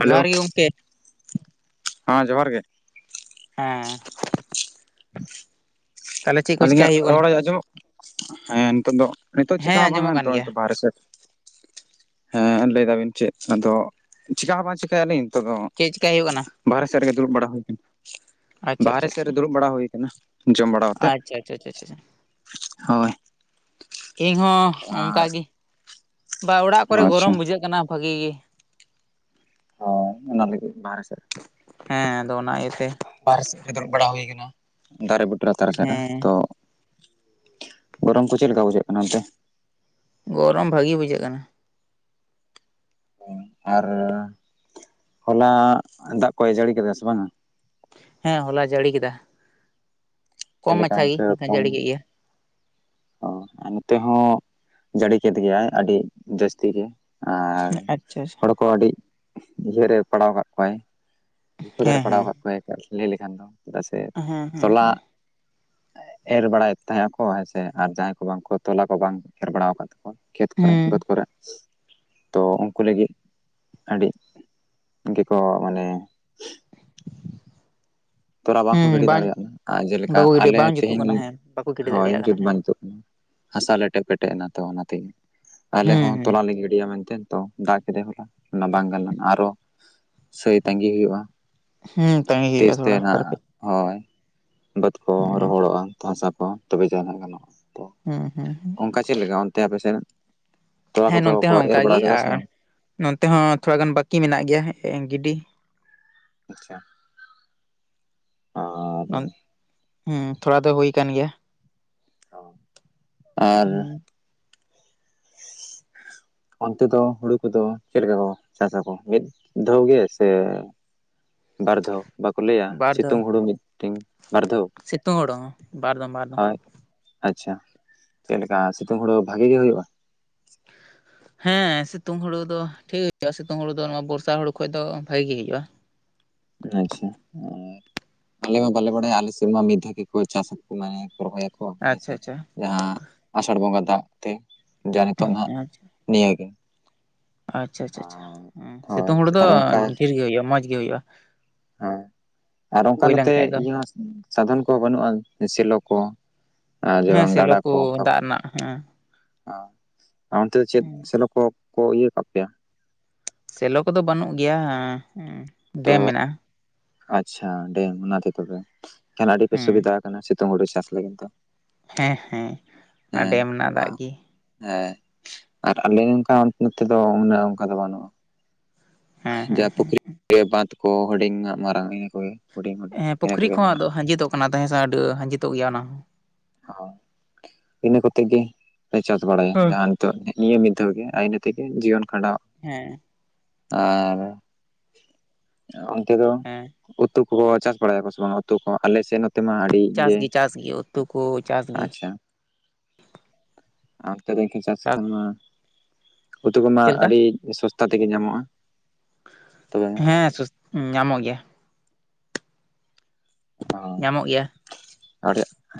Hello ᱜᱮ ᱜᱚᱢᱠᱮ ᱦᱮᱸ ᱡᱚᱦᱟᱨ ᱜᱮ ᱦᱮᱸ [inaudible] ᱛᱟᱦᱚᱞᱮ ᱪᱮᱫ ᱠᱚ ᱪᱮᱠᱟᱭ ᱟᱹᱞᱤᱧᱟᱜ ᱦᱩᱭᱩᱜ ᱠᱟᱱᱟ? ᱨᱚᱲᱟ ᱟᱸᱡᱚᱢᱚᱜ ᱦᱮᱸ ᱱᱤᱛᱚᱜ ᱫᱚ ᱱᱤᱛᱚᱜ ᱪᱤᱠᱟ ᱦᱮᱸ ᱦᱚᱸ ᱵᱟᱝᱟ ᱟᱸᱡᱚᱢᱚᱜ ᱠᱟᱱ ᱱᱤᱛᱚᱜ ᱱᱭ ᱜᱮᱭᱟ ᱛᱚ ᱵᱟᱨᱦᱨᱮ ᱥᱮᱫ ᱦᱮᱸ ᱞᱟᱹᱭ ᱫᱟᱵᱤᱱ ᱪᱮᱫ ᱟᱫᱚ ᱪᱮᱠᱟ ᱦᱚᱸ ᱵᱟᱝ ᱪᱤᱠᱟᱭᱟᱞᱤᱧ ᱱᱤᱛᱚᱜ ᱫᱚ ᱪᱮᱫ ᱪᱮᱠᱟᱭ ᱦᱩᱭᱩᱜ ᱠᱟᱱᱟ? ᱵᱟᱨᱮ ᱥᱮᱫ ᱨᱮᱜᱮ ᱫᱩᱲᱩᱵ ᱵᱟᱲᱟ ᱦᱩᱭ ᱟᱠᱟᱱᱟ ᱟᱪᱪᱷᱟ ᱵᱟᱦᱨᱮ ᱟᱪᱪᱷᱟ ᱥᱮᱫ ᱟᱪᱪᱷᱟ ᱨᱮ ᱫᱩᱲᱩᱵ ᱵᱟᱲᱟ ᱦᱩᱭ ᱠᱟᱱ ᱡᱚᱢ ᱵᱟᱲᱟᱛᱮᱫ ᱟᱪᱪᱷᱟ ᱟᱪᱪᱷᱟ ᱪᱪᱷᱟ ᱤᱧ ᱦᱚᱸ ᱟᱨ ᱚᱱᱠᱟᱜᱮ ᱵᱟ ᱚᱲᱟᱜ ᱠᱚᱨᱮ ᱟᱪᱪᱷᱟ ᱜᱚᱨᱚᱢ ᱵᱩᱡᱷᱟᱹᱜ ᱠᱟᱱᱟ ᱵᱷᱟᱜᱤ ᱜᱮ ᱦᱳᱭ ᱚᱱᱟ ᱞᱟᱹᱜᱤ ᱵᱟᱦᱨᱮ ᱥᱮᱫᱽ ᱦᱮᱸ ᱟᱫᱚ ᱚᱱᱟ ᱤᱭᱟᱹ ᱛᱮ ᱵᱟᱦᱨᱮ ᱥᱮᱫ ᱨᱮ ᱫᱲᱵ ᱵᱟᱲᱟ ᱦᱩᱭ ᱠᱟᱱᱟ ᱫᱟᱨᱮ ᱵᱩᱴᱟᱹᱨ ᱞᱟᱛᱟᱨ ᱥᱮᱫ ᱨᱮ ᱦᱮᱸ ᱛᱚ ᱜᱚᱨᱚᱢ ᱠᱚ ᱪᱮᱫ ᱞᱮᱠᱟ ᱵᱩᱡᱷᱟᱹᱜ ᱠᱟᱱᱟ ᱚᱱᱛᱮ ᱜᱚᱨᱚᱢ ᱵᱷᱟᱜᱮ ᱵᱩᱡᱷᱟᱹᱜ ᱠᱟᱱᱟ ᱟᱨ ᱦᱚᱞᱟ ᱫᱟᱜ ᱠᱚ ᱡᱟᱹᱲᱤ ᱠᱮᱫᱟ ᱥᱮ ᱵᱟᱝᱟ ᱦᱮᱸ ᱦᱚᱞᱟ ᱡᱟᱹᱲᱤ ᱠᱮᱫᱟ ᱪᱮᱫ ᱠᱚᱢ ᱞᱮᱠᱟ ᱢᱟᱪᱷᱟ ᱜᱮ ᱤᱱᱠᱟᱹ ᱠᱚᱢ ᱡᱟᱹᱲᱤ ᱠᱮᱫ ᱜᱮ ᱚ ᱟᱨ ᱱᱚᱛᱮ ᱦᱚᱸ ᱡᱟᱹᱲᱤ ᱠᱮᱫ ᱜᱮᱭᱟᱭ ᱟᱹᱰᱤ ᱡᱟᱹᱥᱛᱤ ᱜᱮ ᱟᱨ ᱟᱪᱪᱷᱟ ᱟᱪᱪᱷᱟ ᱦᱚᱲ ᱠᱚ ᱟᱹᱰᱤ ᱤᱭᱟᱹᱨᱮ ᱯᱟᱲᱟᱣ ᱠᱟᱜ ᱠᱚᱣᱟᱭ ᱯᱟᱜᱟᱹᱨ ᱦᱮᱸ ᱮ ᱯᱟᱲᱟᱣ ᱦᱮᱸ ᱟᱠᱟᱫ ᱠᱚᱣᱟ ᱮ ᱞᱟᱹᱭ ᱞᱮᱠᱷᱟᱱ ᱫᱚ ᱪᱮᱫᱟᱜ ᱥᱮ ᱦᱮᱸ ᱦᱮᱸ ᱛᱚᱞᱟ ᱮᱨ ᱵᱟᱲᱟᱭᱮᱫ ᱛᱟᱦᱮᱸᱱᱟᱠᱚ ᱦᱮᱸ ᱥᱮ ᱟᱨ ᱡᱟᱦᱟᱸᱭ ᱠᱚ ᱵᱟᱝᱠᱚ ᱛᱚᱞᱟ ᱠᱚ ᱵᱟᱝ ᱮᱨ ᱵᱟᱲᱟ ᱟᱠᱟᱫ ᱠᱷᱮᱛ ᱠᱚᱨᱮ ᱦᱮᱸ ᱵᱟᱹᱫᱽ ᱠᱚᱨᱮ ᱛᱚ ᱩᱱᱠᱩ ᱞᱟᱹᱜᱤᱫ ᱟᱹᱰᱤ ᱜᱮᱠᱚ ᱢᱟᱱᱮ ᱛᱚᱨᱟ ᱵᱟᱝᱠᱚ ᱦᱮᱸ ᱜᱤᱰᱤ ᱵᱟᱝ ᱫᱟᱲᱮᱭᱟᱜ ᱢᱟ ᱟᱨ ᱡᱮᱞᱮᱠᱟ ᱵᱟᱠᱚ ᱜᱤᱰᱤ ᱟᱞᱮ ᱵᱟᱝ ᱡᱩᱛᱩᱜ ᱛᱮᱦᱮᱧ ᱠᱟᱱᱟ ᱦᱮᱸ ᱵᱟᱠᱚ ᱜᱤᱰᱤ ᱦᱳᱭ ᱫᱟᱲᱮᱭᱟᱜ ᱠᱟᱱᱟ ᱡᱩᱛ ᱦᱮᱸ ᱵᱟᱝ ᱧᱩᱛ ᱦᱟᱥᱟ ᱞᱮᱴᱮ ᱯᱮᱴᱮᱡᱽ ᱮᱱᱟ ᱛᱚ ᱚᱱᱟ ᱛᱮᱜᱮ ᱟᱞᱮ ᱦᱮᱸ ᱦᱚᱸ ᱦᱮᱸ ᱛᱚᱞᱟ ᱞᱮ ᱜᱤᱰᱤᱭᱟ ᱢᱮᱱᱛᱮ ᱛᱚ ᱫᱟᱜ ᱠᱮᱫᱟᱭ ᱦᱚᱞᱟ ᱚᱱᱟ ᱵᱟᱝ ᱜᱟᱱᱞᱮᱱᱟ ᱟᱨᱚ ᱥᱟᱹᱭ ᱛᱟᱸᱜᱤ ᱦᱩᱭᱩᱜᱼᱟ ᱦᱩᱸ ᱛᱟᱸᱜᱤ ᱦᱩᱭᱩᱜᱼᱟ ᱛᱤᱥ ᱛᱮ ᱛᱷᱚᱲᱟ ᱱᱟᱜ ᱵᱟᱨᱯᱮ ᱦᱳᱭ ᱵᱟᱹᱫᱽ ᱠᱚ ᱦᱮᱸ ᱨᱚᱦᱚᱲᱚᱜ-ᱟ ᱦᱟᱥᱟ ᱠᱚ ᱛᱚᱵᱮ ᱡᱟᱦᱟᱸᱱᱟᱜ ᱜᱟᱱᱚᱜ-ᱟ ᱦᱮᱸ ᱦᱮᱸ ᱚᱱᱠᱟ ᱪᱮᱫ ᱞᱮᱠᱟ ᱚᱱᱛᱮ ᱟᱯᱮ ᱥᱮᱫ ᱛᱚᱞᱟ ᱠᱚᱫᱚ ᱠᱚ ᱮᱨ ᱵᱟᱲᱟ ᱠᱮᱫᱟ ᱥᱮ ᱵᱟᱝ ᱱᱚᱱᱚᱛᱮ ᱦᱚᱸ ᱛᱷᱚᱲᱟ ᱜᱟᱱ ᱵᱟᱹᱠᱤ ᱢᱮᱱᱟᱜ ᱜᱮᱭᱟ ᱜᱤᱰᱤ ᱟᱪᱪᱷᱟ ᱟᱨ ᱦᱩᱸ ᱛᱷᱚᱲᱟ ᱫᱚ ᱦᱩᱭ ᱠᱟᱱᱟᱱ ᱜᱮᱭᱟ ᱟᱨ ᱦᱩᱸ ᱚᱱᱛᱮ ᱫᱚ ᱦᱩᱲᱩ ᱠᱚᱫᱚ ᱪᱮᱫ ᱞᱮᱠᱟ ᱠᱚ ᱪᱟᱥ ᱟᱠᱚ ᱢᱤᱫ ᱫᱷᱟᱹᱣ ᱜᱮ ᱥᱮ ᱵᱟᱨᱫᱷᱟᱹᱣ ᱵᱟᱠᱚ ᱞᱟᱹᱭᱟ ᱵᱟᱨ ᱫᱷᱟᱣ ᱥᱤᱛᱩᱝ ᱦᱩᱲᱩ ᱢᱤᱫᱴᱮᱱ ᱵᱟᱨᱫᱷᱟᱹᱣ ᱥᱤᱛᱩᱝ ᱦᱩᱲᱩ ᱦᱚᱸ ᱵᱟᱨᱫᱚᱢ ᱵᱟᱨᱫᱚᱢ᱾ ᱟᱪᱪᱷᱟ ᱪᱮᱫᱮ ᱞᱮᱠᱟ ᱥᱤᱛᱩᱝ ᱦᱩᱲᱳ ᱵᱷᱟᱜᱤ ᱜᱮ ᱦᱩᱭᱩᱜ-ᱟ ᱦᱮᱸ ᱥᱤᱛᱩᱝ ᱦᱳᱲᱩ ᱫᱚ ᱴᱷᱤᱠ ᱦᱩᱭᱩᱜ-ᱟ ᱥᱤᱛᱩᱝ ᱦᱩᱲᱩ ᱫᱚ ᱱᱚᱣᱟ ᱵᱚᱨᱥᱟ ᱦᱩᱲᱩ ᱠᱷᱚᱡ ᱫᱚ ᱵᱷᱟᱜᱮ ᱦᱩᱭᱩᱜ-ᱟ᱾ ᱟᱪᱪᱷᱟ ᱟᱞᱮ ᱢᱟ ᱵᱟᱞᱮ ᱵᱟᱲᱟᱭᱟ ᱟᱞᱮ ᱥᱮᱨᱢᱟ ᱢᱤᱫ ᱫᱷᱟᱣ ᱜᱮ ᱪᱟᱥ ᱢᱟᱱᱮ ᱨᱚᱦᱚᱭ ᱟᱪᱪᱷᱟ ᱦᱮᱸᱥᱮ ᱟᱪᱪᱷᱟ ᱡᱟᱦᱟᱸ ᱟᱥᱟᱲ ᱵᱚᱸᱜᱟ ᱫᱟᱜ ᱛᱮ ᱡᱟ ᱱᱤᱛᱚᱜ ᱦᱟᱸᱜ ᱟᱪᱪᱷᱟ ᱱᱤᱭᱟᱹᱜᱮ ᱟᱪᱪᱷᱟ ᱟᱪᱪᱷᱟ ᱟᱨ ᱦᱳᱭ ᱥᱤᱛᱩᱝ ᱦᱩᱲᱩ ᱫᱚ ᱟᱨ ᱚᱱᱠᱟ ᱰᱷᱮᱨ ᱜᱮ ᱦᱩᱭᱩᱜ-ᱟ ᱢᱚᱸᱡᱽ ᱜᱮ ᱦᱩᱭᱩᱜ-ᱟ ᱦᱮᱸ ᱟᱨ ᱚᱱᱠᱟ ᱱᱚᱛᱮ ᱤᱭᱟᱹ ᱦᱚᱸ ᱥᱟᱫᱷᱚᱱ ᱠᱚ ᱦᱚᱸ ᱵᱟᱹᱱᱩᱜ-ᱟ ᱥᱮᱞᱚ ᱠᱚ ᱟᱨ ᱡᱮ ᱦᱮᱸ ᱵᱟᱝ ᱥᱮᱞᱚ ᱜᱟᱰᱟ ᱠᱚ ᱚᱱᱠᱟ ᱫᱟᱜ ᱵᱟᱹᱱᱩᱜ-ᱟ ᱨᱮᱱᱟᱜ ᱦᱮᱸ ᱟᱨ ᱚᱱᱛᱮ ᱫᱚ ᱪᱮᱫ ᱥᱮᱞᱚ ᱠᱚ ᱠᱚ ᱤᱭᱟᱹ ᱠᱟᱜ ᱯᱮᱭᱟ ᱥᱮᱞᱚ ᱠᱚᱫᱚ ᱵᱟᱹᱱᱩᱜ ᱜᱮᱭᱟ ᱛᱚ ᱰᱮᱢ ᱢᱮᱱᱟᱜ-ᱟ ᱟᱪᱪᱷᱟ ᱰᱮᱢ ᱚᱱᱟᱛᱮ ᱛᱟᱦᱚᱞᱮ ᱟᱹᱰᱤᱯᱮ ᱦᱮᱸ ᱥᱩᱵᱤᱫᱟ ᱟᱠᱟᱱᱟ ᱥᱤᱛᱩᱝ ᱦᱩᱲᱩ ᱪᱟᱥ ᱞᱟᱹᱜᱤᱫ ᱫᱚ ᱦᱮᱸ ᱦᱮᱸ ᱚᱱᱟ ᱦᱮᱸ ᱰᱮᱢ ᱨᱮᱱᱟᱜ ᱫᱟᱜ ᱦᱮᱸ ᱜᱮ ᱟᱨ ᱟᱞᱮ ᱚᱱᱠᱟ ᱱᱚᱛᱮ ᱫᱚ ᱚᱱᱠᱟ ᱫᱚ ᱵᱟᱹᱱᱩᱜ-ᱟ ᱦᱮᱸ ᱦᱮᱸ ᱡᱟᱦᱟᱸ ᱯᱩᱠᱷᱨᱤ ᱵᱟᱸᱫ ᱠᱚ ᱦᱩᱰᱤᱧ ᱢᱟᱨᱟᱝ ᱚᱱᱟ ᱠᱚ ᱜᱮ ᱦᱮᱸ ᱯᱩᱠᱷᱨᱤ ᱠᱚ ᱦᱚᱸ ᱟᱫᱚ ᱟᱸᱡᱤᱫᱚᱜ ᱠᱟᱱᱟ ᱛᱟᱦᱮᱸ ᱥᱮ ᱟᱹᱰᱤ ᱟᱸᱡᱮᱫᱚᱜ ᱜᱮᱭᱟ ᱚᱱᱟ ᱦᱚᱸ ᱤᱱᱟᱹ ᱠᱚᱛᱮ ᱜᱮ ᱯᱮ ᱪᱟᱥ ᱵᱟᱲᱟᱭᱟ ᱦᱚᱸ ᱦᱮᱸ ᱡᱟᱦᱟᱸᱱ ᱱᱤᱭᱟᱹ ᱢᱤᱫ ᱫᱷᱟᱣ ᱜᱮ ᱟᱭ ᱤᱱᱟᱹ ᱛᱮᱜᱮ ᱡᱤᱭᱚᱱ ᱠᱷᱟᱸᱰᱟᱣ ᱦᱮᱸ ᱟᱨ ᱚᱱᱛᱮ ᱫᱚ ᱦᱮᱸ ᱩᱛᱩ ᱠᱚ ᱪᱟᱥ ᱵᱟᱲᱟᱭᱟ ᱠᱚ ᱥᱮ ᱵᱟᱝ ᱩᱛᱩ ᱠᱚ ᱟᱞᱮ ᱥᱮᱫ ᱢᱟ ᱟᱹᱰᱤ ᱪᱟᱥ ᱜᱮ ᱪᱟᱥ ᱜᱮ ᱩᱛᱩ ᱠᱚ ᱪᱟᱥ ᱜᱮ ᱟᱪᱪᱷᱟ ᱱᱚᱱᱛᱮ ᱫᱚ ᱪᱟᱥ ᱠᱷᱟᱱ ᱢᱟ ᱩᱛᱩ ᱠᱚᱢᱟ ᱪᱮᱫ ᱞᱮᱠᱟ ᱟᱹᱰᱤ ᱥᱚᱥᱛᱟ ᱛᱮ ᱜᱮ ᱧᱟᱢᱚᱜ-ᱟ ᱛᱚᱵᱮ ᱦᱮᱸ ᱫᱚᱥ ᱧᱟᱢᱚᱜ ᱜᱮᱭᱟ ᱚ ᱧᱟᱢᱚᱜ ᱜᱮᱭᱟ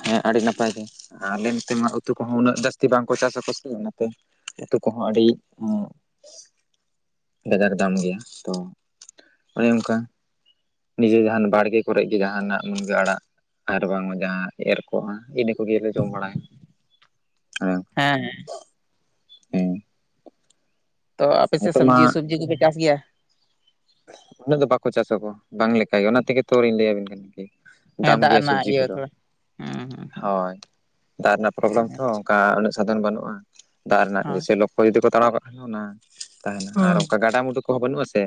ᱦᱮᱸ ᱟᱹᱰᱤ ᱱᱟᱯᱟᱭ ᱜᱮ ᱟᱨ ᱟᱞᱮ ᱱᱚᱛᱮ ᱢᱟ ᱩᱛᱩ ᱠᱚᱦᱚᱸ ᱩᱱᱟᱹᱜ ᱡᱟᱹᱥᱛᱤ ᱵᱟᱝᱠᱚ ᱪᱟᱥᱟ ᱠᱚ ᱥᱮ ᱚᱱᱟᱛᱮ ᱟᱹᱛᱩ ᱠᱚ ᱦᱚᱸ ᱟᱹᱰᱤ ᱠᱟᱡᱟᱠ ᱫᱟᱢ ᱜᱮᱭᱟ ᱛᱚ ᱚᱱᱮ ᱚᱱᱠᱟ ᱱᱤᱡᱮ ᱡᱟᱦᱟᱸᱱ ᱵᱟᱲᱜᱮ ᱠᱚᱨᱮ ᱜᱮ ᱡᱟᱦᱟᱸᱱᱟᱜ ᱢᱩᱱᱜᱟᱹ ᱟᱲᱟᱜ ᱟᱨ ᱵᱟᱝᱢᱟ ᱡᱟᱦᱟᱸ ᱮᱨ ᱠᱚᱜᱼᱟ ᱤᱱᱟᱹ ᱠᱚ ᱜᱮ ᱞᱮ ᱡᱚᱢ ᱵᱟᱲᱟᱭᱟ ᱦᱮᱸ ᱦᱮᱸ ᱦᱮᱸ ᱦᱩᱸ ᱛᱚ ᱟᱯᱮ ᱥᱮᱫ ᱢᱟ ᱥᱚᱵᱽᱡᱤ ᱥᱚᱵᱽᱡᱤ ᱠᱚ ᱯᱮ ᱪᱟᱥ ᱜᱮᱭᱟ ᱩᱱᱟᱹᱜ ᱫᱚ ᱵᱟᱠᱚ ᱪᱟᱥ ᱟᱠᱚ ᱵᱟᱝ ᱞᱮᱠᱟ ᱜᱮ ᱚᱱᱟ ᱛᱮᱜᱮ ᱛᱚᱞᱤᱧ ᱞᱟᱹᱭᱟᱵᱤᱱ ᱠᱟᱱᱟ ᱠᱤ ᱦᱮᱸ ᱫᱟᱢ ᱫᱟᱜ ᱜᱮᱭᱟ ᱨᱮᱱᱟᱜ ᱥᱚᱵᱽᱡᱤ ᱠᱚ ᱤᱭᱟᱹ ᱫᱚ ᱛᱷᱚᱲᱟ ᱦᱩᱸ ᱦᱩᱸ ᱦᱳᱭ ᱫᱟᱜ ᱨᱮᱱᱟᱜ ᱯᱨᱚᱵᱞᱮᱢ ᱛᱚ ᱟᱪᱪᱷᱟ ᱚᱱᱠᱟ ᱩᱱᱟᱹᱜ ᱥᱟᱫᱷᱚᱱ ᱵᱟᱹᱱᱩᱜᱼᱟ ᱫᱟᱜ ᱨᱮᱱᱟᱜ ᱦᱳᱭ ᱥᱮᱞᱳ ᱚ ᱡᱩᱫᱤ ᱠᱚ ᱛᱟᱲᱟᱣ ᱠᱟᱜ ᱠᱷᱟᱱ ᱚᱱᱟ ᱛᱟᱦᱮᱸᱱᱟ ᱟᱨ ᱚᱱᱠᱟ ᱜᱟᱰᱟᱼᱢᱰᱩ ᱠᱚ ᱦᱚᱸ ᱵᱟᱹᱱᱩᱜᱼᱟ ᱥᱮ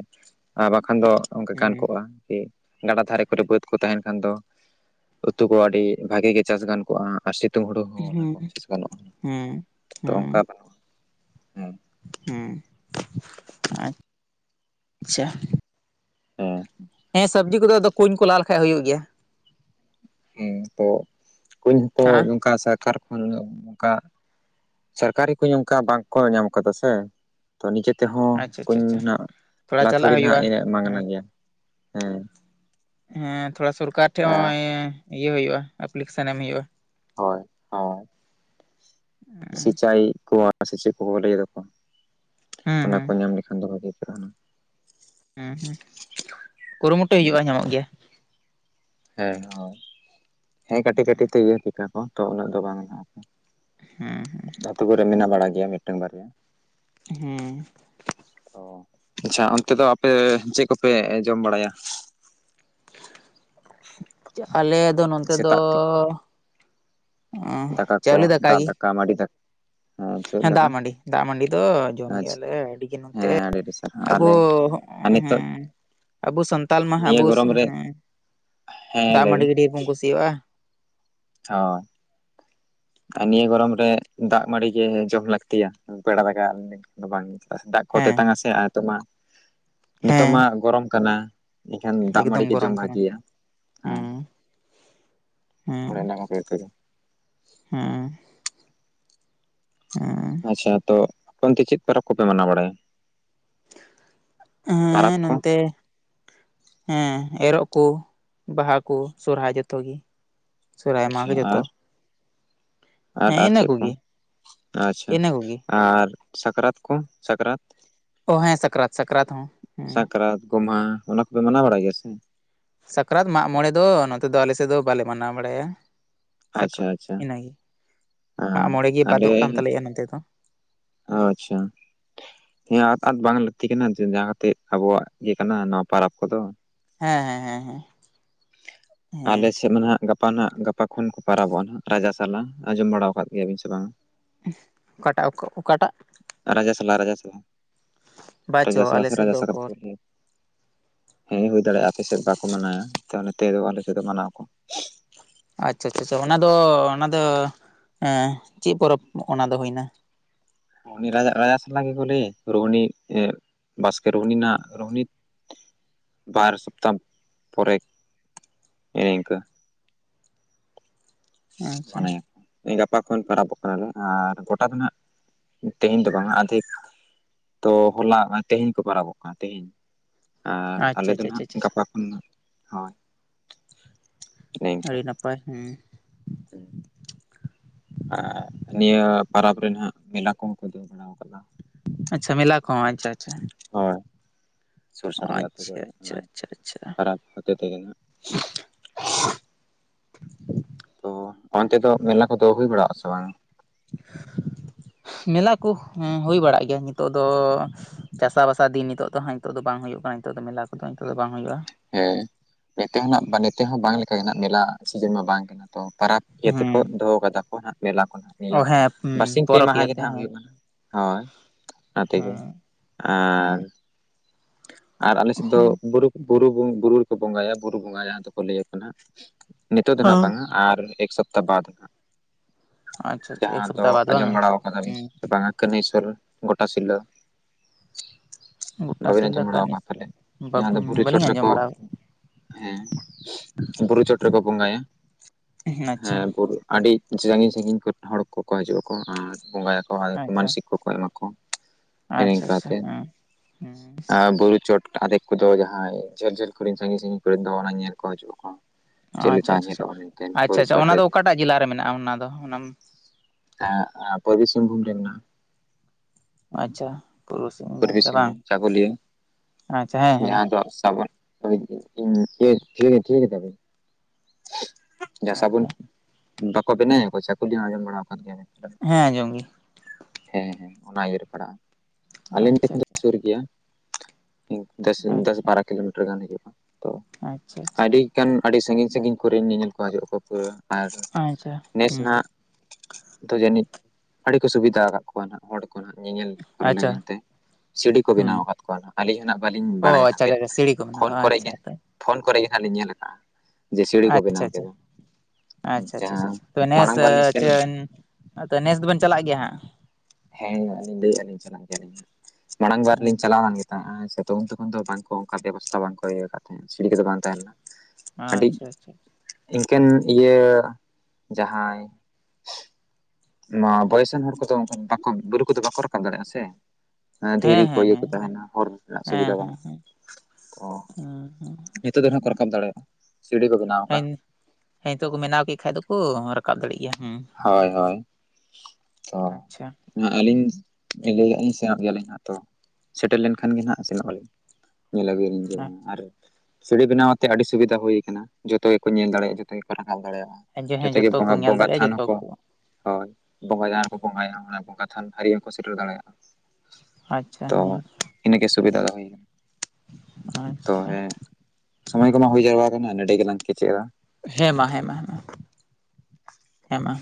ᱟᱨ ᱵᱟᱝᱠᱷᱟᱱ ᱫᱚ ᱚᱱᱠᱟ ᱜᱟᱱ ᱦᱮᱸ ᱠᱚᱜᱼᱟ ᱡᱮ ᱜᱟᱰᱟ ᱫᱷᱟᱨᱮ ᱠᱚ ᱨᱮ ᱵᱟᱹᱫᱽ ᱠᱚ ᱛᱟᱦᱮᱸᱱ ᱠᱷᱟᱱ ᱫᱚ ᱩᱛᱩ ᱠᱚ ᱟᱹᱰᱤ ᱵᱷᱟᱹᱜᱤ ᱜᱮ ᱪᱟᱥ ᱜᱟᱱ ᱠᱚᱜᱼᱟ ᱟᱨ ᱥᱤ ᱤᱛᱩᱝ ᱦᱩᱲᱩ ᱦᱚᱸ ᱚᱱᱟ ᱦᱩᱸ ᱠᱚ ᱪᱤᱥ ᱜᱟᱱᱚᱜᱼᱟ ᱦᱩᱸ ᱡᱷᱚᱛᱚ ᱦᱩᱸ ᱦᱩᱸ ᱚᱱᱠᱟ ᱵᱟᱱᱩᱜᱼᱟ ᱦᱩᱸ ᱟᱪ ᱪᱪᱷᱟ ᱦᱮᱸ ᱦᱮᱸ ᱥᱚᱵᱽᱡᱤ ᱠᱚᱫᱚ ᱠᱩᱧ ᱠᱚ ᱞᱟ ᱞᱮᱠᱷᱟᱱ ᱦᱩᱭᱩᱜ ᱜᱮᱭᱟ ᱦᱮᱸ ᱛᱚ ᱠᱩᱧ ᱦᱚᱸ ᱛᱚ ᱦᱮᱸ ᱱᱚᱝᱠᱟ ᱥᱚᱨᱠᱟᱨ ᱱᱚᱝᱠᱟ ᱥᱚᱨᱠᱟᱨᱤ ᱠᱩᱧ ᱱᱚᱝᱠᱟ ᱵᱟᱝ ᱠᱚ ᱧᱟᱢ ᱠᱟᱫᱟ ᱥᱮ ᱛᱚ ᱱᱤᱡᱮ ᱛᱮᱦᱚᱸ ᱟᱪᱪᱷᱟ ᱟᱪᱪᱷᱟ ᱠᱩᱧ ᱟᱪᱪᱷᱟ ᱱᱟᱦᱟᱜ ᱛᱷᱚᱲᱟ ᱞᱟ ᱪᱟᱞᱟᱜ ᱛᱷᱩᱲᱤ ᱱᱟᱦᱟᱜ ᱦᱩᱭᱩᱜᱼᱟ ᱩᱱᱟᱹᱜ ᱦᱮᱸ ᱢᱟᱜᱱᱟ ᱜᱮᱭᱟ ᱦᱮᱸ ᱦᱮᱸ ᱛᱷᱚᱲᱟ ᱥᱚᱨᱠᱟᱨ ᱴᱷᱮᱱ ᱦᱚᱸ ᱤᱭᱟᱹ ᱦᱩᱭᱩᱜᱼᱟ᱾ ᱮᱯᱞᱤᱠᱮᱥᱚᱱ ᱮᱢ ᱦᱩᱭᱩᱜᱼᱟ᱾ ᱦᱳᱭ ᱦᱚᱸ ᱦᱮᱸ ᱥᱮᱪᱟᱭ ᱠᱚᱣᱟ ᱥᱮ ᱪᱮᱫ ᱠᱚ ᱞᱟᱹᱭ ᱜᱮᱫᱚᱠᱚ ᱦᱮᱸ ᱚᱱᱟ ᱦᱮᱸ ᱠᱚ ᱧᱟᱢ ᱞᱮᱠᱷᱟᱱ ᱫᱚ ᱵᱷᱟᱜᱤ ᱠᱚᱜ-ᱟ᱾ ᱦᱩᱸ ᱠᱩᱨᱩ ᱢᱩᱴᱩᱭ ᱦᱩᱭᱩᱜ-ᱟ ᱧᱟᱢᱚᱜ ᱜᱮᱭᱟ᱾ ᱦᱮᱸ ᱦᱳᱭ ᱦᱮᱸ ᱠᱟᱹᱴᱤᱡ ᱠᱟᱹᱴᱤᱡ ᱛᱮ [inaudible] ᱠᱚ ᱛᱚ ᱩᱱᱟᱹᱜ ᱫᱚ ᱵᱟᱝ ᱜᱟᱱᱚᱜ-ᱟ᱾ ᱦᱮᱸ ᱦᱮᱸ ᱟᱹᱛᱩᱳ ᱠᱚᱨᱮ ᱢᱮᱱᱟᱜ ᱵᱟᱲᱟ ᱜᱮᱭᱟ ᱢᱤᱫᱴᱟᱝ ᱵᱟᱨᱭᱟ᱾ ᱦᱮᱸ ᱚ ᱟᱪᱪᱷᱟ ᱚᱱᱛᱮ ᱫᱚ ᱟᱯᱮ ᱪᱮᱫ ᱠᱚᱯᱮ ᱡᱚᱢ ᱵᱟᱲᱟᱭᱟ? ᱟᱞᱮ ᱫᱚ ᱱᱚᱱᱚᱛᱮ ᱫᱚ ᱥᱮᱛᱟᱜ ᱛᱮ ᱚ ᱫᱟᱠᱟ ᱠᱚ ᱪᱟᱣᱞᱤ ᱫᱟᱠᱟ ᱜᱮ ᱫᱟᱜ ᱢᱟᱹᱰᱤ ᱫᱟᱠ [unintelligible] ᱦᱮᱸ ᱫᱟᱜ ᱢᱟᱹᱰᱤ ᱫᱟᱜ ᱢᱟᱹᱰᱤ ᱫᱚ ᱡᱚᱢ ᱟᱪᱪᱷᱟ ᱜᱮᱭᱟᱞᱮ ᱟᱹᱰᱤ ᱜᱮ ᱱᱚᱱᱛᱮ ᱦᱮᱸ ᱟᱹᱰᱤ ᱟᱹᱰᱤ ᱥᱟᱨᱦᱟᱣ ᱟᱵᱚ ᱟᱞᱮ ᱟᱨ ᱱᱤᱛᱚᱜ ᱦᱮᱸ ᱟᱵᱚ ᱥᱟᱱᱛᱟᱞ ᱢᱟ ᱱᱤᱭᱟᱹ ᱟᱵᱚ ᱜᱚᱨᱚᱢ ᱨᱮ ᱦᱮᱸ ᱦᱮᱸ ᱫᱟᱜ ᱞᱟᱹᱭ ᱢᱟᱹᱰᱤ ᱵᱤᱱ ᱜ ᱰᱷᱮᱨ ᱵᱚᱱ ᱠᱩᱥᱤᱭᱟᱜᱼᱟ᱾ ᱦᱳᱭ ᱟᱨ ᱱᱤᱭᱟᱹ ᱜᱚᱨᱚᱢ ᱨᱮ ᱫᱟᱜ ᱢᱟᱹᱲᱤ ᱜᱮ ᱡᱚᱢ ᱞᱟᱹᱠᱛᱤᱭᱟ ᱯᱮᱲᱟ ᱫᱟᱠᱟ ᱫᱚ ᱵᱟᱝᱚᱜᱼᱟ᱾ ᱫᱟᱜ ᱠᱚ ᱦᱮᱸ ᱛᱮᱛᱟᱝ ᱟᱥᱮ ᱟᱨ ᱱᱤᱛᱚᱜ ᱢᱟ, ᱱᱤᱛᱚᱜ ᱦᱮᱸ ᱢᱟ ᱜᱚᱨᱚᱢ ᱠᱟᱱᱟ᱾ ᱮᱱᱠᱷᱟᱱ ᱫᱟᱜ ᱢᱟᱹᱰᱤ ᱮᱠᱫᱚᱢ ᱜᱮ ᱜᱚᱨᱚᱢ ᱡᱚᱢ ᱠᱟᱱᱟ ᱵᱷᱟᱜᱮᱭᱟ ᱦᱮᱸ ᱦᱮᱸ ᱚᱰᱮ [unintelligible] ᱦᱮᱸ ᱦᱮᱸ ᱟᱪᱪᱷᱟ ᱛᱚ ᱟᱯᱮ ᱚᱱᱛᱮ ᱪᱮᱫ ᱯᱚᱨᱚᱵᱽ ᱠᱚ ᱯᱮ ᱢᱟᱱᱟᱣ ᱵᱟᱲᱟᱭᱟ? ᱯᱚᱨᱚᱵᱽ ᱦᱮᱸ ᱠᱚ ᱱᱚᱛᱮ ᱦᱮᱸ ᱮᱨᱚᱜ ᱠᱚ ᱵᱟᱦᱟ ᱠᱚ ᱥᱚᱨᱚᱦᱟᱭ ᱡᱚᱛᱚ ᱜᱮ ᱥᱚᱨᱦᱟᱭ ᱢᱟᱦᱟ ᱟᱪᱪᱷᱟ ᱠᱚ ᱡᱚᱛᱚ ᱟᱨ ᱟᱨ ᱦᱮᱸ ᱟᱨ ᱤᱱᱟᱹ ᱪᱮᱫ ᱠᱚ ᱠᱚᱜᱮ ᱟᱪᱪᱷᱟ ᱤᱱᱟᱹ ᱠᱚᱜᱮ ᱟᱨ ᱥᱟᱠᱨᱟᱛ ᱠᱚ ᱥᱟᱠᱨᱟᱛ ᱚ ᱦᱮᱸ ᱥᱟᱠᱨᱟᱛ ᱥᱟᱠᱨᱟᱛ ᱦᱚᱸ ᱦᱮᱸ ᱥᱟᱠᱨᱟᱛ ᱜᱚᱢᱦᱟ ᱚᱱᱟ ᱠᱚᱯᱮ ᱢᱟᱱᱟᱣ ᱵᱟᱲᱟᱭ ᱜᱮᱭᱟ ᱥᱮ ᱥᱟᱠᱨᱟᱛ, ᱢᱟᱜ ᱢᱚᱬᱮ ᱫᱚ ᱱᱚᱛᱮ ᱫᱚ ᱟᱞᱮ ᱥᱮᱫ ᱫᱚ ᱵᱟᱞᱮ ᱢᱟᱱᱟᱣ ᱵᱟᱲᱟᱭᱟ᱾ ᱟᱪᱪᱷᱟ ᱥᱟᱠᱨᱟᱛ ᱟᱪᱪᱷᱟ ᱤᱱᱟᱹᱜᱮ ᱢᱟᱜ ᱦᱮᱸ ᱢᱚᱬᱮ ᱜᱮ ᱵᱟᱫᱚᱜ ᱠᱟᱱ ᱛᱟᱞᱮᱭᱟ ᱱᱚᱛᱮ ᱫᱚ ᱚ ᱟᱪᱪᱷᱟ ᱦᱮᱸ ᱟᱫ ᱟᱫᱚ ᱵᱟᱝ ᱞᱟᱹᱠᱛᱤ ᱠᱟᱱᱟ ᱡᱮ ᱡᱟᱦᱟᱸᱛᱮ ᱟᱵᱚᱣᱟᱜ ᱜᱮ ᱠᱟᱱᱟ᱾ ᱱᱚᱣᱟ ᱯᱚᱨᱚᱵᱽ ᱠᱚ ᱫᱚ ᱦᱮᱸ ᱦᱮᱸ ᱦᱮᱸ ᱦᱮᱸ ᱦᱮᱸ ᱟᱞᱮ ᱥᱮᱫ ᱱᱟᱦᱟᱜ ᱜᱟᱯᱟ ᱱᱟᱦᱟᱜ ᱜᱟᱯ ᱚᱠᱟ ᱠᱷᱚᱱ ᱠᱚ ᱯᱟᱨᱟᱵᱚᱜ-ᱟ ᱱᱟᱦᱟᱜ ᱨᱟᱡᱟ ᱥᱟᱞᱟ, ᱟᱸᱡᱚᱢ ᱵᱟᱲᱟᱣ ᱟᱠᱟᱫ ᱜᱮᱭᱟᱵᱤᱱ ᱥᱮ ᱵᱟᱝᱟ? ᱚᱠᱟᱴᱟᱜ [unintelligible] ᱚᱠᱟᱴᱟᱜ? ᱨᱟᱡᱟ ᱥᱟᱞᱟᱜ, ᱨᱟᱡᱟ ᱥᱟᱞᱟᱜ, ᱵᱟᱪᱚ ᱨᱟᱡᱟ ᱥᱟᱞᱟᱜ ᱟᱞᱮ ᱥᱮ ᱥᱮᱫ ᱨᱟᱭᱟ ᱫᱚ ᱥᱟᱫᱚᱯ ᱛᱮ ᱚᱠᱚᱨ ᱦᱩᱸ᱾ ᱦᱮᱸ ᱦᱩᱭ ᱫᱟᱲᱮᱭᱟᱜ-ᱟ ᱟᱯᱮ ᱥᱮᱫ ᱵᱟᱠᱚ ᱢᱟᱱᱟᱣᱟ, ᱛᱚ ᱱᱚᱛᱮ ᱫᱚ ᱟᱞᱮ ᱥᱮᱫ ᱫᱚ ᱢᱟᱱᱟᱣ ᱟᱠᱚ ᱾ ᱟᱪᱪᱷᱟ ᱟᱪᱪᱷᱟ ᱟᱪᱪᱷᱟ, ᱚᱱᱟ ᱫᱚ ᱚᱱᱟ ᱫᱚ ᱮᱸ ᱪᱮᱫ ᱯᱚᱨᱚᱵᱽ ᱚᱱᱟ ᱫᱚ ᱦᱩᱭ ᱮᱱᱟ? ᱨᱟᱭᱟᱜ, ᱨᱟᱭᱟ ᱥᱟᱞᱟ ᱜᱮᱠᱚ ᱞᱟᱹᱭᱮ 'ᱨᱳᱦᱱᱤ' ᱮᱸᱜ 'ᱵᱟᱥᱠᱮ ᱨᱳᱦᱱᱤ' ᱱᱟᱜ 'ᱨᱳᱦᱱᱤ' ᱵᱟᱨ ᱥᱚᱯᱛᱟ ᱯᱚᱨᱮ [inaudible] ᱦᱮᱸᱜ-ᱮ ᱤᱝᱠᱟᱹ ᱾ ᱟᱪᱪᱷᱟ ᱢᱟᱱᱮ ᱮᱸ ᱜᱟᱯᱟ ᱠᱷᱚᱱ ᱯᱟᱨᱟᱵᱚᱜ ᱠᱟᱱᱟᱞᱮ ᱟᱨ ᱜᱚᱴᱟ ᱫᱚ ᱱᱷᱟᱜ ᱛᱤᱦᱤᱧ ᱫᱚ ᱵᱟᱝᱟ ᱟᱫᱷᱤᱠ ᱛᱚ ᱦᱚᱞᱟ ᱢᱟ ᱛᱤᱦᱤᱧ ᱠᱚ ᱯᱟᱨᱟᱵᱚᱜ ᱠᱟ ᱛᱤᱦᱤᱧ ᱟᱨ ᱟᱞᱮ ᱟᱪᱪᱷᱟ ᱫᱚ ᱟᱪᱪᱷᱟ ᱱᱷᱟᱜ ᱟᱪᱪᱷᱟ ᱜᱟᱯᱟ ᱚᱱᱱᱟ ᱦᱚᱭ᱾ [inaudible] ᱟᱹᱰᱤ ᱱᱟᱯᱟᱭ ᱦᱮᱸ ᱾ ᱦᱮᱸ ᱾ ᱟᱨ ᱱᱤᱭᱟᱹ ᱯᱟᱨᱚᱵᱽ ᱨᱮ ᱱᱟᱦᱟᱜ ᱢᱮᱞᱟ ᱠᱚᱦᱚᱸ ᱠᱚ ᱫᱚᱦᱚ ᱵᱟᱲᱟ ᱟᱠᱟᱫᱟ ᱾ ᱟᱪᱪᱷᱟ, ᱢᱮᱞᱟ ᱠᱚᱸ ᱟᱪᱪᱷᱟ-ᱪᱷᱟ᱾ ᱦᱳᱭ [inaudible] ᱥᱩᱨᱥᱟᱲᱜᱮ ᱟᱛᱳ ᱠᱚᱨᱮ ᱟᱪᱪᱷᱟ ᱚᱱᱟ ᱟᱪᱪᱷᱟ ᱟᱪᱪᱷᱟ ᱯᱟᱨᱟᱵᱽ ᱦᱚᱛᱮ ᱛᱮᱜᱮ ᱱᱟᱦᱟᱜ ᱾ ᱛᱚ ᱚᱱᱛᱮ ᱫᱚ ᱢᱮᱞᱟ ᱠᱚᱫᱚ ᱦᱩᱭ ᱵᱟᱲᱟᱜ-ᱟ ᱥᱮ ᱵᱟᱝ? [inaudible] ᱢᱮᱞᱟ ᱠᱚ ᱦᱚᱸᱻ ᱦᱩᱭ ᱵᱟᱲᱟᱜ ᱜᱮᱭᱟ ᱱᱤᱛᱳᱜ ᱫᱚ ᱾ ᱪᱟᱥᱟᱵᱟᱥᱟ ᱫᱤᱱ ᱱᱤᱛᱚᱜ ᱫᱚ ᱦᱟᱸᱜ ᱱᱤᱛᱚᱜ ᱫᱚ ᱵᱟᱝ ᱦᱩᱭᱩᱜ ᱠᱟᱱᱟ ᱱᱤᱛᱚᱜ ᱫᱚ ᱢᱮᱞᱟ ᱠᱚᱫᱚ ᱱᱤᱛᱚᱜ ᱫᱚ ᱵᱟᱝ ᱦᱩᱭᱩᱜ-ᱟ ᱾ ᱦᱮᱸ, ᱱᱮᱛᱮ ᱦᱚᱸ ᱱᱟᱜ ᱵᱟᱱᱤ ᱛᱮ ᱦᱚᱸ ᱵᱟᱝ ᱞᱮᱠᱟ ᱜᱮ ᱱᱟᱜ ᱢᱮᱞᱟ ᱥᱤᱡᱤᱱ ᱢᱟ ᱵᱟᱝ ᱠᱟᱱᱟ ᱛᱚ ᱯᱚᱨᱟᱵᱽ ᱤᱭᱟᱹ ᱛᱮᱠᱚ ᱦᱮᱸ ᱫᱚᱦᱚ ᱟᱠᱟᱫᱟ ᱠᱚ ᱦᱟᱸᱜ ᱢᱮᱞᱟ ᱠᱚ ᱱᱟᱜ ᱾ ᱤᱭᱟᱹ ᱚ ᱦᱮᱸ ᱵᱟᱨᱥᱤᱧ, ᱯᱮ ᱯᱚᱨᱚᱵᱽ ᱢᱟᱦᱟ ᱜᱮ ᱤᱭᱟᱹᱛᱮ ᱱᱷᱟᱜ ᱦᱮᱸ ᱦᱩᱭᱩᱜᱼᱟ ᱦᱚᱭ᱾ ᱚᱱᱟ ᱛᱮᱜᱮ ᱦᱮᱸ ᱟᱨᱻ ᱦᱮᱸ ᱟᱨ ᱟᱞᱮ ᱥᱮᱫ ᱫᱚ ᱵᱩᱨᱩ ᱵᱩᱨᱩ ᱨᱮᱠᱚ ᱵᱚᱸᱜᱟᱭᱟ ᱵᱩᱨᱩ ᱵᱚᱸᱜᱟ ᱡᱟᱦᱟᱸ ᱫᱚᱠᱚ ᱞᱟᱹᱭ [unintelligible] ᱱᱤᱛᱚᱜ ᱫᱚ ᱦᱟᱸᱜ ᱵᱟᱝ-ᱟ ᱟᱨ ᱮᱠ ᱥᱚᱯᱛᱟ ᱵᱟᱫᱽ ᱦᱟᱸᱜ ᱟᱪᱪᱷᱟ ᱾ ᱟᱪᱪᱷᱟ ᱮᱠ ᱡᱟᱦᱟᱸ ᱫᱚ ᱥᱚᱯᱛᱟᱦ ᱵᱟᱫ ᱟᱸᱡᱚᱢ ᱵᱟᱝᱟ ᱵᱟᱲᱟ ᱟᱠᱟᱫᱟ ᱵᱤᱱ ᱦᱮᱸ ᱥᱮ ᱵᱟᱝᱟ ᱠᱟᱹᱱᱟᱹᱭ ᱥᱚᱨᱚ ᱜᱚᱴᱟ ᱥᱤᱞᱟᱹ ᱜᱚᱴᱟ ᱵᱟᱵᱤᱱ ᱟᱸᱡᱚᱢ ᱥᱤᱞᱫᱟᱹ ᱵᱟᱲᱟᱣ ᱠᱟᱹᱦᱱᱤ ᱠᱟᱜᱼᱟ ᱛᱟᱞᱮ ᱡᱟᱦᱟᱸ ᱫᱚ ᱵᱩᱨᱩ ᱪᱚᱴ ᱵᱟᱹᱞᱤᱧ ᱟᱸᱡᱚᱢ ᱨᱮᱠᱚ ᱵᱟᱲᱟ ᱦᱮᱸ ᱵᱩᱨᱩ ᱪᱚᱴ ᱨᱮ ᱠᱚ ᱵᱚᱸᱜᱟᱭᱟ ᱟᱪᱪᱷᱟ ᱦᱮᱸ ᱵᱩᱨᱩᱼᱼ ᱟᱹᱰᱤ ᱥᱟᱺᱜᱤᱧ ᱥᱟᱺᱜᱤᱧ ᱠᱚ ᱨᱮᱱ ᱦᱚᱲ ᱠᱚ ᱠᱚ ᱦᱟᱡᱩᱜ ᱟᱠᱚ ᱟᱨ ᱵᱚᱸᱜᱟᱭ ᱟᱠᱚ ᱟᱪᱪᱷᱟ ᱢᱟᱱᱥᱤᱠ ᱠᱚ ᱠᱚ ᱮᱢᱟ ᱠᱚ ᱾ ᱟᱪᱪᱷᱟ ᱟᱪᱪᱷᱟ ᱦᱮᱸᱼᱼ ᱟᱨ ᱵᱩᱨᱩ ᱪᱚᱴ ᱟᱫᱷᱮᱠ ᱠᱚ ᱫᱚ ᱡᱟᱦᱟᱸᱭ ᱡᱷᱟᱹᱞ ᱡᱷᱟᱹᱞ ᱠᱚ ᱨᱮᱱ ᱥᱟᱺᱜᱤᱧ ᱥᱟᱺᱜᱤᱧ ᱠᱚ ᱨᱮᱱ ᱫᱚ ᱚᱱᱟ ᱧᱮᱞ ᱠᱚ ᱦᱟᱡᱩᱜ ᱟᱠᱚ ᱾ ᱪᱮᱫ ᱞᱮᱠᱟ ᱧᱮᱞᱚᱜᱼᱟ ᱢᱮᱱᱴᱮᱱ ᱯᱚᱨᱤ ᱪᱚᱴ ᱨᱮ ᱮᱴᱟᱜ ᱡᱮᱞᱟ ᱨᱮ ᱢᱮᱱᱟᱜᱼᱟ ᱚᱱᱟ ᱫᱚ ᱚᱱᱟᱢᱼᱼ ᱮᱸ [unintelligible] ᱥᱤᱝᱵᱷᱩᱢ ᱨᱮ ᱢᱮᱱᱟᱜᱼᱟ ᱾ ᱟᱪᱪᱷᱟ ᱯᱩᱨᱩᱥ ᱯᱩᱨᱵᱤ ᱥᱤᱝᱵᱷᱩᱢ ᱪᱟᱹᱠᱩᱞᱤᱭᱟᱹ ᱟᱪᱪᱷᱟ ᱦᱮᱸ ᱦᱮᱸ ᱡᱟᱦᱟᱸ ᱫᱚ ᱥᱟᱵᱚᱱᱼᱼ [unintelligible] ᱴᱷᱤᱠᱟᱹ ᱠᱮᱫᱟ ᱯᱮᱼᱼ ᱡᱟᱦᱟᱸ ᱥᱟᱵᱚᱱ ᱟᱪᱪᱷᱟ ᱵᱟᱠᱚ ᱵᱮᱱᱟᱭ ᱟᱠᱚ ᱪᱟᱹᱠᱩᱞᱤᱭᱟᱹ ᱟᱸᱡᱚᱢ ᱵᱟᱲᱟ ᱠᱟᱫ ᱜᱮᱭᱟ ᱵᱤᱱ ᱾ ᱦᱮᱸ ᱟᱸᱡᱚᱢ ᱜᱮᱼᱼ ᱦᱮᱸ ᱦᱮᱸ ᱚᱱᱟ ᱤᱭᱟᱹᱨᱮ ᱯᱟᱲᱟᱜᱼᱟ ᱟᱹᱞᱤᱧ ᱴᱷᱮᱱ ᱟᱪᱪᱷᱟ ᱠᱷᱚᱱ ᱫᱚ ᱥᱩᱨ ᱜᱮᱭᱟ ᱾ ᱫᱚᱥ ᱫᱚᱥ ᱟᱪᱪᱷᱟ ᱵᱟᱨᱚ ᱠᱤᱞᱳᱢᱤᱴᱟᱨ ᱜᱟᱱ ᱦᱤᱡᱩᱜᱼᱟ ᱛᱚ ᱟᱪᱪᱷᱟ ᱟᱪᱪᱷᱟ ᱟᱹᱰᱤ ᱮᱠᱟᱱ ᱟᱹᱰᱤ ᱥᱟᱺᱜᱤᱧ ᱥᱟᱺᱜᱤᱧ ᱠᱚᱨᱮᱱ ᱧᱮᱧᱮᱞ ᱠᱚ ᱦᱟᱹᱡᱩᱜ ᱟᱠᱚ ᱟᱨ ᱟᱪᱪᱷᱟ ᱱᱮᱥ ᱦᱩᱸ ᱱᱟᱜ ᱫᱚ ᱡᱟᱹᱱᱤᱡ ᱟᱹᱰᱤ ᱠᱚ ᱥᱩᱵᱤᱫᱟ ᱠᱟᱜ ᱠᱚᱣᱟ ᱱᱟᱜ ᱦᱚᱲᱼᱼ ᱧᱮᱧᱮᱞ ᱠᱚ ᱞᱟᱹᱜᱤᱫ ᱟᱪᱪᱷᱟ ᱛᱮ ᱥᱤᱰᱤ ᱠᱚ ᱵᱮᱱᱟᱣ ᱦᱩᱸ ᱠᱟᱫ ᱠᱚᱣᱟ ᱟᱹᱞᱤᱧ ᱦᱚᱸ ᱱᱟᱜ ᱵᱟᱹᱞᱤᱧ ᱵᱟᱲᱟᱭᱟ ᱦᱟᱸᱜᱼᱼ [unintelligible] ᱥᱤᱲᱤ ᱠᱚ ᱢᱮᱱᱟᱜᱼᱟ ᱵᱟ ᱟᱪᱪᱷᱟ ᱟᱪᱪᱷᱟᱼᱼ ᱯᱷᱳᱱ ᱠᱚᱨᱮ ᱡᱟᱦᱟᱸ ᱞᱤᱧ ᱧᱮᱞ ᱠᱟᱜᱼᱟ ᱾ ᱟᱪᱪᱷᱟ ᱟᱪᱪᱷᱟ ᱟᱪᱪᱷᱟ ᱟᱪᱪᱷᱟ ᱡᱟᱦᱟᱸ ᱛᱚ ᱱᱮᱥ ᱢᱟᱲᱟᱝ ᱵᱟᱨ ᱞᱤᱧ ᱥᱮᱱ ᱪᱮᱱ ᱟᱫᱚ ᱱᱮᱥ ᱫᱚᱵᱮᱱ ᱪᱟᱞᱟᱜ ᱜᱮᱭᱟ ᱦᱟᱸᱜ ᱦᱮᱸ ᱟᱹᱞᱤᱧ ᱞᱟᱹᱭᱮᱜ ᱟᱹᱤᱧ ᱪᱟᱞᱟᱜ ᱜᱮᱭᱟᱞᱤᱧ ᱢᱟᱲᱟᱝ ᱵᱟᱨᱞᱤᱧ ᱟᱪᱪᱷᱟ ᱪᱟᱞᱟ ᱞᱮᱱ ᱥᱮ ᱛᱚ ᱩᱱ ᱛᱚᱠᱷᱚᱱ ᱫᱚ ᱵᱟᱝᱠᱚ ᱚᱱᱠᱟ ᱵᱮᱵᱚᱥᱛᱷᱟ ᱵᱟᱝᱠᱚ ᱤᱭᱟᱹ ᱟᱠᱟᱫ ᱛᱟᱦᱮᱸᱫ ᱥᱤᱲᱤᱠᱚᱫᱚ ᱵᱟᱝ ᱛᱟᱦᱮᱸ ᱞᱮᱱᱟ᱾ ᱟᱹᱰᱤᱡ ᱟᱪᱪᱷᱟ ᱟᱪᱪᱷᱟ ᱤᱱᱠᱟᱹᱱ ᱤᱭᱟᱹ ᱡᱟᱦᱟᱸᱭ ᱢᱟ ᱵᱚᱭᱮᱥᱟᱱ ᱦᱚᱲ ᱠᱚᱫᱚ ᱵᱟᱠᱚ ᱵᱩᱨᱩ ᱠᱚᱫᱚ ᱵᱟᱠᱚ ᱨᱟᱠᱟᱵ ᱫᱟᱲᱮᱜᱼᱟ ᱥᱮ ᱫᱷᱤᱨᱤ ᱦᱮᱸ ᱠᱚ ᱦᱮᱸ ᱤᱭᱟᱹ ᱠᱚ ᱦᱮᱸ ᱛᱟᱦᱮᱱᱟ ᱦᱚᱨ ᱨᱮᱱᱟᱜ ᱥᱩᱵᱤᱫᱷᱟ ᱵᱟᱝ ᱛᱚ ᱩᱸ [unintelligible] ᱱᱤᱛᱚᱜ ᱫᱚ ᱱᱟᱦᱟᱜ ᱠᱚ ᱨᱟᱠᱟᱵ ᱫᱟᱲᱮᱭᱟᱜᱼᱟ ᱥᱤᱲᱤ ᱠᱚᱫᱚ ᱦᱸᱮᱧ ᱦᱮᱸ ᱤᱛᱚᱜ ᱠᱚ ᱢᱮᱱᱟᱣ ᱠᱮᱜ ᱠᱷᱟᱡ ᱫᱚᱠᱚ ᱨᱟᱠ ᱨᱟᱠᱟᱵ ᱫᱟᱲᱮᱜ ᱜᱮᱭᱟ ᱦᱩᱸ, ᱦᱳᱭ ᱦᱳᱭ ᱟᱪᱪᱷᱟ ᱦᱟᱸᱜ ᱟᱹᱞᱤᱧ ᱞᱟᱹᱭᱠᱟᱜ ᱞᱤᱧ ᱥᱮᱱᱚᱜ ᱜᱮᱭᱟᱞᱤᱧ ᱦᱟᱸᱜ ᱛᱚ ᱥᱮᱴᱮᱨ ᱞᱮᱱᱠᱷᱟᱱ ᱜᱮ ᱦᱟᱸᱜ ᱥᱮᱱᱚᱜᱼᱟᱞᱤᱧ ᱾ ᱧᱮᱞᱮ ᱵᱤᱱ ᱡᱮᱢᱚᱱ ᱵᱟᱝ ᱟᱪᱪᱷᱟ ᱟᱨ ᱥᱤᱲᱤ ᱵᱮᱱᱟᱣᱛᱮᱜ ᱟᱹᱰᱤ ᱥᱩᱵᱤᱫᱷᱟ ᱦᱩᱭ ᱠᱟᱱᱟ ᱡᱚᱛᱚ ᱜᱮᱠᱚ ᱧᱮᱞ ᱫᱟᱲᱮᱭᱟᱜᱼᱟ᱾ ᱡᱚᱛᱚ ᱜᱮᱠᱚ ᱨᱟᱠᱟᱵ ᱫᱟᱲᱮᱭᱟᱜᱼᱟ᱾ ᱦᱮᱸ ᱡᱮ ᱦᱮᱸ ᱜᱮ ᱡᱚᱛᱚ ᱠᱚ ᱵᱚᱸᱜᱟ ᱧᱮᱞ ᱵᱚᱸᱜᱟ ᱫᱟᱲᱮᱭᱟᱜᱼᱟ᱾ ᱛᱷᱟᱱ ᱡᱚᱛᱚ ᱦᱚᱸᱠᱚ ᱠᱚ ᱦᱳᱭ ᱵᱚᱸᱜᱟ ᱡᱟᱦᱟᱸ ᱨᱮᱠᱚ ᱵᱚᱸᱜᱟᱭᱟ ᱚᱱᱟ ᱵᱚᱸᱜᱟ ᱛᱷᱟᱱ ᱫᱷᱟᱹᱨᱤᱡ ᱦᱚᱸᱠᱚ ᱥᱮᱴᱮᱨ ᱫᱟᱲᱮᱭᱟᱜᱼᱟ᱾ ᱟᱪᱪᱷᱟ ᱛᱚ ᱦᱮᱸ ᱤᱱᱟᱹᱜᱮ ᱥᱩᱵᱤᱫᱟ ᱫᱚ ᱦᱩᱭ ᱱᱟ ᱛᱚ ᱟᱪᱪᱷᱟ ᱦᱮᱸ ᱥᱚᱢᱚᱭ ᱠᱚᱢᱟ ᱦᱩᱭ ᱡᱟᱣᱟ ᱟᱠᱟᱱᱟ ᱱᱮᱰᱮ ᱜᱮᱞᱟᱝ ᱠᱮᱪᱮᱫᱟ᱾ ᱦᱮᱸ ᱢᱟ ᱦᱮᱸᱢᱟ ᱦᱮᱸ, ᱦᱮᱸ ᱢᱟ